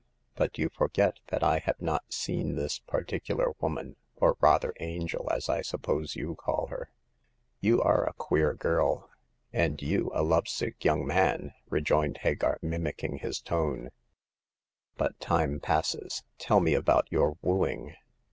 But you forget that I have not seen this particular woman— or rather angel, as I suppose you call her.*' You are a queer girl !"And you— a love sick young man !" rejoined Hagar, mimicking his tone. " But time passes ; tell me about your wooing."